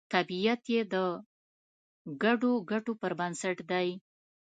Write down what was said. طبیعت یې د ګډو ګټو پر بنسټ دی